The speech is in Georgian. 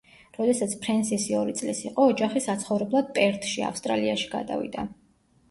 როდესაც ფრენსისი ორი წლის იყო ოჯახი საცხოვრებლად პერთში, ავსტრალიაში გადავიდა.